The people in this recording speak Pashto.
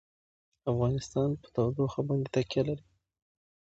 افغانستان په تودوخه باندې تکیه لري.